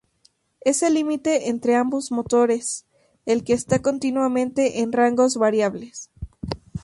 Es el límite entre ambos motores el que está continuamente en rangos variables.